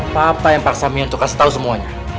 papa yang paksa mia untuk kasih tau semuanya